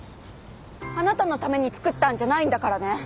あなたのために作ったんじゃないんだからね！